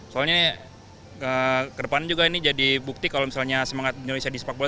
soalnya ini ke depan juga ini jadi bukti kalau misalnya semangat indonesia di sepak bola